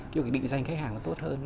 kiểu cái định danh khách hàng nó tốt hơn